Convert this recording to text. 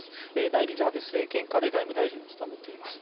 第２次安倍政権下で外務大臣を務めています。